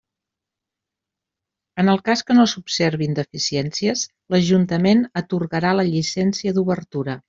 En el cas que no s'observen deficiències, l'ajuntament atorgarà la llicència d'obertura.